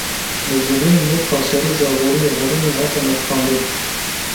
Di civînê de paşeroja aboriya herêmê hate nirxandin